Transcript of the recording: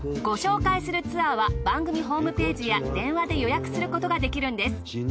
ご紹介するツアーは番組ホームページや電話で予約することができるんです。